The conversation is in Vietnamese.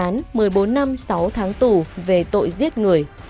một mươi bốn năm sáu tháng tủ về tội giết người